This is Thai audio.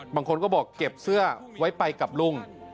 บางคนก็บอกเก็บเสื้อไว้ไปกับลุง